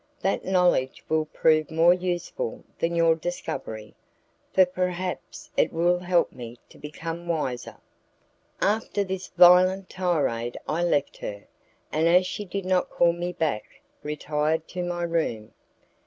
That knowledge will prove more useful than your discovery, for perhaps it will help me to become wiser." After this violent tirade I left her, and as she did not call me back retired to my room.